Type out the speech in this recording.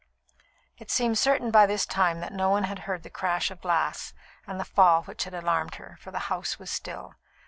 It seemed certain by this time that no one had heard the crash of glass and the fall which had alarmed her, for the house was still.